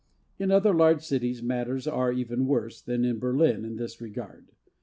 In other large cities matters are even worse than in Berlin in this regard.